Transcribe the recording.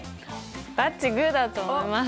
バッチグーだと思います！